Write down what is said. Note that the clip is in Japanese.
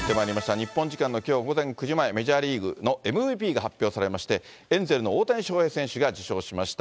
日本時間のきょう午前９時前、メジャーリーグのＭＶＰが発表されまして、エンゼルスの大谷翔平選手が受賞しました。